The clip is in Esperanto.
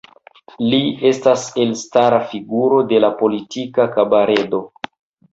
Li estas elstara figuro de la politika kabaredo.